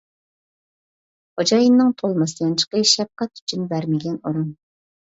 خوجايىننىڭ تولماس يانچۇقى شەپقەت ئۈچۈن بەرمىگەن ئورۇن.